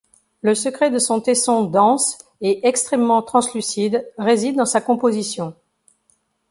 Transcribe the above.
Le secret de son tesson dense et extrêmement translucide réside dans sa composition.